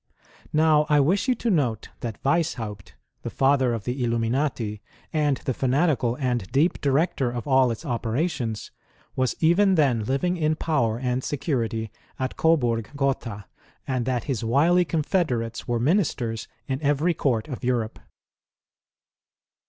Now, I wish you to note, that Weishaupt, the father of the Illuminati, and the fanatical and deep director of all its operations, was even then living in power and security at Coburg Gotha; and that his wily confederates were muiisters in evei y FREEMASONRY AFTER THE FALL OF NAPOLEON. 53 Court of Europe.